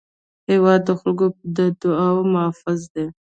هېواد د خلکو په دعا کې محفوظ دی.